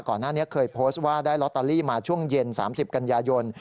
ก่อนหน้านี้เคยโพสต์ว่าได้ลอตเตอรี่มาช่วงเย็น๓๐กันยายน